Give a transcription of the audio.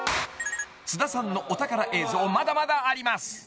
［菅田さんのお宝映像まだまだあります］